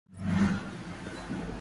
Kinyozi yule amekuwa na bidii sana